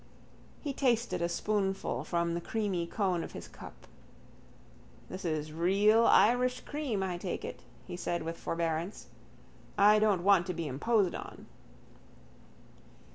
He tasted a spoonful from the creamy cone of his cup. —This is real Irish cream I take it, he said with forbearance. I don't want to be imposed on.